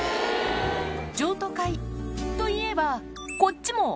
譲渡会といえば、こっちも。